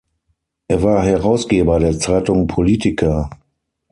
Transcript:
Er war Herausgeber der Zeitung Politika.